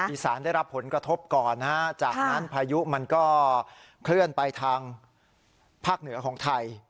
อีสานได้รับผลกระทบก่อนนะฮะจากนั้นพายุมันก็เคลื่อนไปทางภาคเหนือของไทย